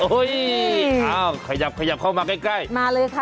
โอ้โหยเอ้าขยับขยับเข้ามาใกล้มาเลยค่ะ